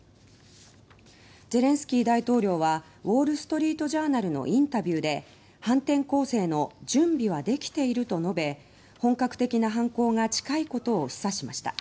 ゼレンスキー大統領はウォール・ストリート・ジャーナルのインタビューで反転攻勢の準備はできていると述べ本格的な反攻が近いことを示唆しました。